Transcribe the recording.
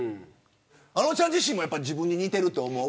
あのちゃん自身も自分に似てると思う。